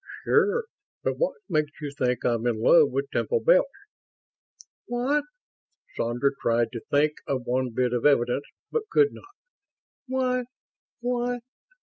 "Sure. But what makes you think I'm in love with Temple Bells?" "What?" Sandra tried to think of one bit of evidence, but could not. "Why ... why...."